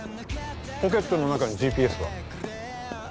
ポケットの中にＧＰＳは？